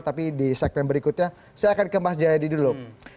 tapi di segmen berikutnya saya akan ke mas jayadi dulu